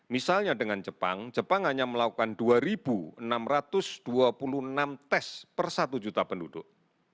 misalnya dengan jepang jepang hanya melakukan dua enam ratus dua puluh enam tes per satu juta penduduk